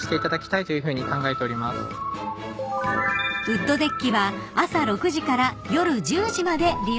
［ウッドデッキは朝６時から夜１０時まで利用できます］